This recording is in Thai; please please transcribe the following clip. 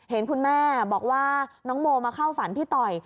เห็นคุณแม่บอกว่าน้องโมมาเข้าฝันพี่ต่อย